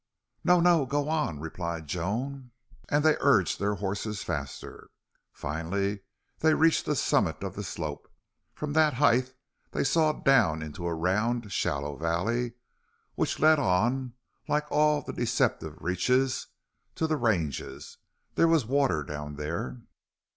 "No no. Go on," replied Joan. And they urged their horses faster. Finally they reached the summit of the slope. From that height they saw down into a round, shallow valley, which led on, like all the deceptive reaches, to the ranges. There was water down there.